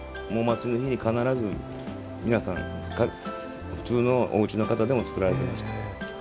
お祭りの日に必ず皆さん普通のおうちの方でも作られてました。